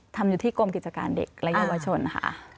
ทำอยู่ที่กรมกิจการเด็กและเยาวชนค่ะ